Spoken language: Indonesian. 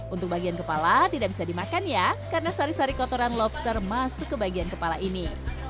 untuk bagian kepala tidak bisa dimakan ya karena sari sari kotoran lobster masuk ke bagian kepala ini